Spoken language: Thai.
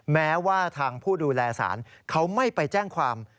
แม้ว่าทางผู้ดูแลสารเขาไม่ไปแจ้งความ